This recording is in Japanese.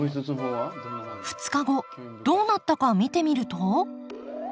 ２日後どうなったか見てみると。